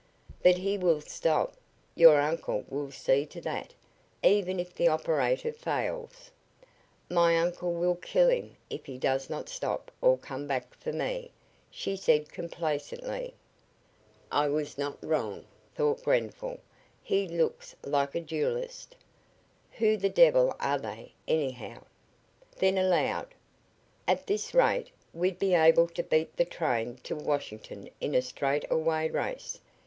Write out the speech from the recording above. "But he will stop! Your uncle will see to that, even if the operator fails." "My uncle will kill him if he does not stop or come back for me," she said, complacently. "I was mot wrong," thought Grenfall; "he looks like a duelist. Who the devil are they, anyhow?" Then aloud: "At this rate we'd be able to beat the train to Washington in a straight away race.